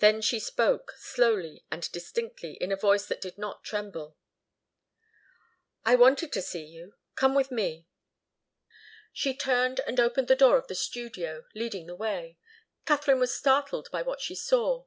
Then she spoke, slowly and distinctly, in a voice that did not tremble. "I wanted to see you. Come with me." She turned and opened the door of the studio, leading the way. Katharine was startled by what she saw.